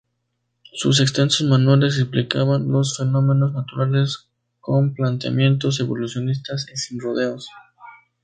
Sus extensos manuales explicaban los fenómenos naturales con planteamientos evolucionistas y sin rodeos.